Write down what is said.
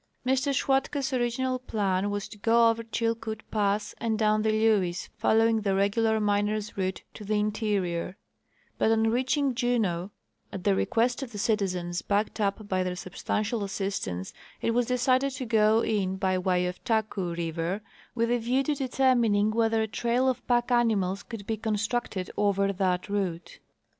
Mr Schwatka's original plan was to go over Chilkoot pass and down the Lewes, following the regular miners' route to the inte rior; but on reaching Juneau, at the request of the citizens, backed up by their substantial assistance, it was decided to go in by way of Taku river, with a view to determining whether a trail for pack animals could be constructed over that route.